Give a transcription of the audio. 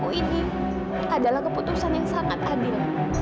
keputusan aku ini adalah keputusan yang sangat adil